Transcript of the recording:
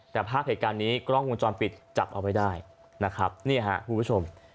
แต่ภาพเหตุการณ์นี้กล้องวงจรปิดจับเอาไว้ได้นะครับนี่ฮะคุณผู้ชม